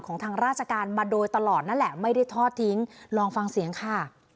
ทางราชการมาโดยตลอดนั่นแหละไม่ได้ทอดทิ้งลองฟังเสียงค่ะ